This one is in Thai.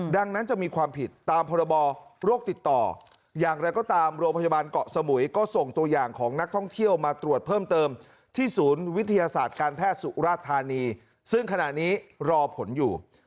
ดังนั้นจะมีความผิดตามพรบโรคติดต่ออย่างไรก็ตามโรงพยาบาลเกาะสมุยก็ส่งตัวอย่างของนักท่องเที่ยวมาตรวจเพิ่มเติมที่ศูนย์วิทยาศาสตร์การแพทย์สุราธานีซึ่งขณะนี้รอผลอยู่